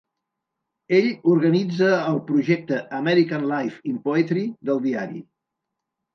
Ell organitza el projecte American Life in Poetry del diari.